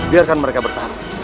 biarkan mereka bertahan